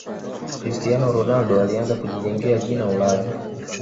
cristiano ronaldo alianza kujijengea jina ulaya